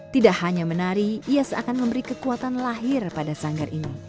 tidak hanya menari ia seakan memberi kekuatan lahir pada sanggar ini